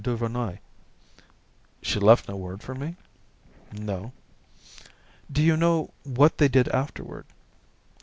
Duvernoy." "She left no word for me?" "No." "Do you know what they did afterward?"